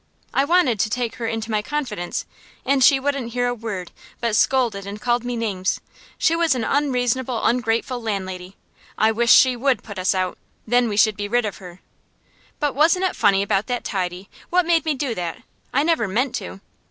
I wanted to take her into my confidence, and she wouldn't hear a word, but scolded and called me names. She was an unreasonable, ungrateful landlady. I wished she would put us out, then we should be rid of her. But wasn't it funny about that tidy? What made me do that? I never meant to.